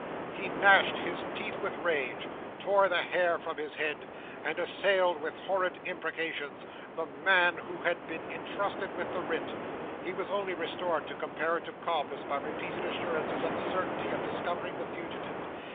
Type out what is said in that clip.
He gnashed his teeth with rage, tore the hair from his head, and assailed with horrid imprecations the men who had been intrusted with the writ. He was only restored to comparative calmness by repeated assurances of the certainty of discovering the fugitive.